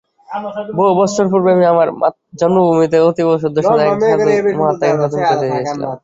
বহু বৎসর পূর্বে আমি আমার জন্মভূমিতে অতীব শুদ্ধস্বভাব এক সাধু মহাত্মাকে দর্শন করিতে গিয়াছিলাম।